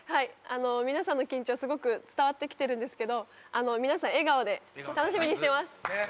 皆さんの緊張、すごく伝わってきてるんですけど、皆さん、笑顔で、楽しみにしてます。